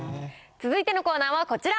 続いてのコーナーはこちら。